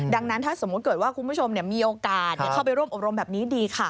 ดังนั้นถ้าสมมุติเกิดว่าคุณผู้ชมมีโอกาสเข้าไปร่วมอบรมแบบนี้ดีค่ะ